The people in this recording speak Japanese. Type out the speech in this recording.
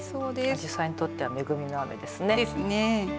あじさいにとっては恵みの雨ですね。